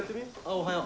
おはよう。